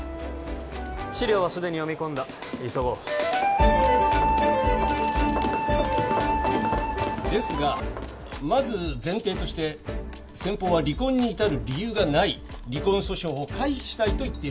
資料はすでに読み込んだ急ごうですがまず前提として先方は離婚に至る理由がない離婚訴訟を回避したいと言っています